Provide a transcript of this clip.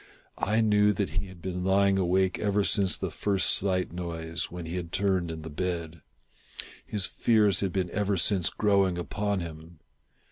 I knew that he had been lying awake ever since the first slight noise, when he had turned in the bed. His fears had been ever since growing upon him.